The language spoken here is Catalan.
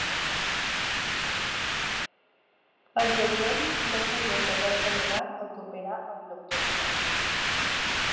Els agents l’acusen d’haver-se negat a cooperar amb l’autoritat.